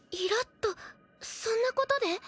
そんなことで？